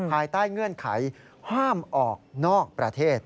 ภายใต้เงื่อนไขห้ามออกนอกประเทศ